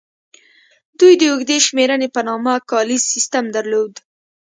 دوی د اوږدې شمېرنې په نامه کالیز سیستم درلود